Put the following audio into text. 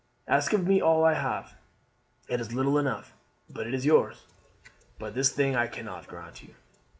Ask of me all I have, it is little enough, but it is yours; but this thing I cannot grant you."